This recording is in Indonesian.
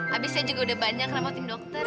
habisnya juga udah banyak kenapa tim dokter